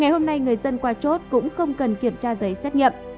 hôm nay người dân qua chốt cũng không cần kiểm tra giấy xét nhập